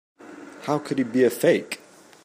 How could he be a fake?